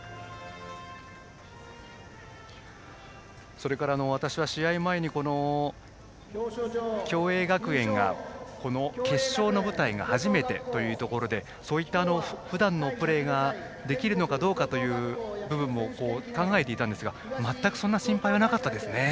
それから私は試合前に共栄学園がこの決勝の舞台が初めてということでそういったふだんのプレーができるのかどうかという部分も考えていたんですが全くそんな心配はなかったですね。